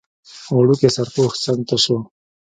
وړوکی سرپوښ څنګ ته شو.